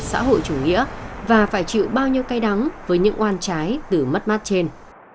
vụ chủ nghĩa và phải chịu bao nhiêu cay đắng với những oan trái từ mất mát trên